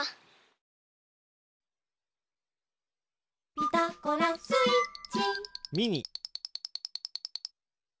「ピタゴラスイッチ」